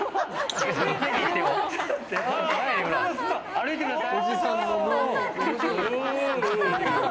歩いてください！